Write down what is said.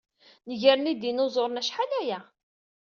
Negren Idinuẓuṛen acḥal ay-a.